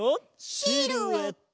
シルエット！